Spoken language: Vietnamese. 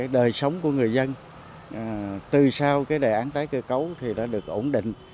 đời sống của người dân từ sau đề án tái cơ cấu đã được ổn định